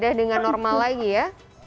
sudah dengan normal lagi ya